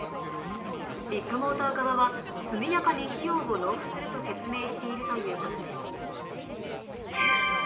ビッグモーター側は速やかに費用を納付すると説明しているということです。